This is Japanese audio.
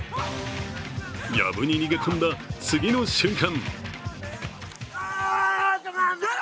やぶに逃げ込んだ次の瞬間